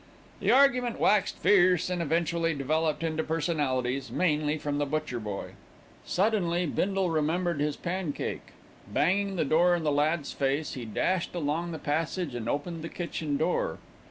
The argument waxed fierce and eventually developed into personalities, mainly from the butcher boy. Suddenly Bindle remembered his pancake. Banging the door in the lad's face, he dashed along the passage and opened the kitchen door.